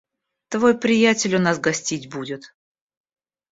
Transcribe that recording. Твой приятель у нас гостить будет...